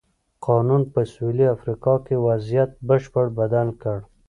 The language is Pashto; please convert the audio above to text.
قانون په سوېلي افریقا کې وضعیت بشپړه بدل کړ.